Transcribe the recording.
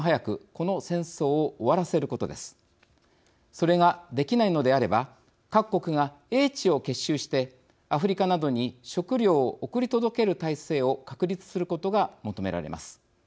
それができないのであれば各国が英知を結集してアフリカなどに食料を送り届ける態勢を確立することが求められます。